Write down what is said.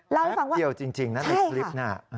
แพ็คเดียวจริงนั่นในคลิปน่ะ